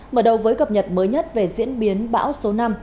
mở đầu với cập nhật mới nhất về diễn biến bão số năm